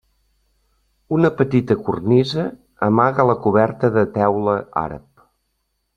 Una petita cornisa amaga la coberta de teula àrab.